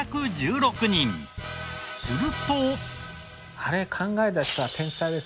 すると。